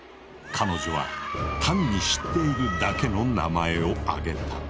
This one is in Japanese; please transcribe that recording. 彼女は単に知っているだけの名前を挙げた。